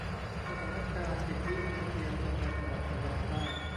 สถานการณ์สิทธิมนุษยชน ในจังหวัดชายแดนใต้